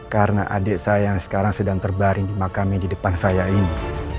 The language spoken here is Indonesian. karena adik saya yang sekarang sedang terbaring di makam yang di depan saya ini